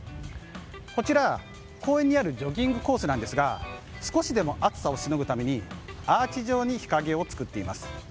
こちら、公園にあるジョギングコースですが少しでも暑さをしのぐためにアーチ状に日陰を作っています。